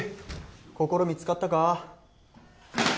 心見つかったか？